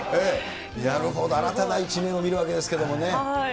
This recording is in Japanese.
なるほど、新たな一面を見るわけですけれどもね。